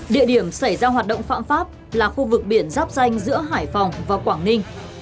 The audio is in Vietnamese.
địa điểm xảy ra hoạt động phạm pháp là khu vực biển giáp danh giữa hải phòng và quảng ninh